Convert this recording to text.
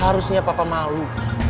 harusnya papa malu